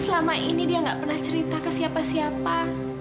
selama ini dia nggak pernah cerita ke siapa siapa